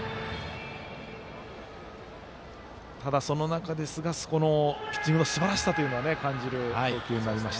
ただ、その中ですがピッチングのすばらしさを感じる投球になりました。